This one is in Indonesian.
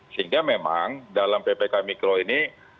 sehingga memang dalam ppkm mikro ini